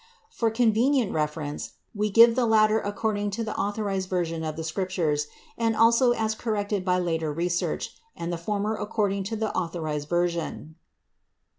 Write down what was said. For convenient reference, we give the latter according to the Authorized Version of the Scriptures, and also as corrected by later research, and the former according to the Authorized Version.